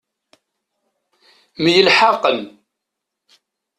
Myelḥaqen.